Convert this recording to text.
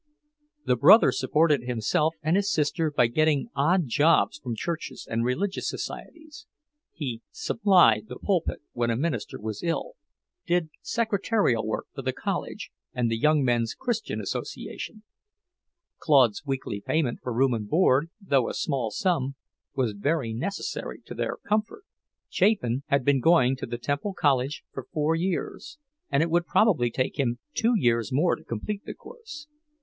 The brother supported himself and his sister by getting odd jobs from churches and religious societies; he "supplied" the pulpit when a minister was ill, did secretarial work for the college and the Young Men's Christian Association. Claude's weekly payment for room and board, though a small sum, was very necessary to their comfort. Chapin had been going to the Temple College for four years, and it would probably take him two years more to complete the course.